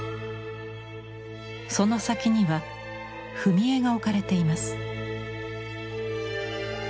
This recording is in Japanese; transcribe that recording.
その先には踏み絵が置かれています。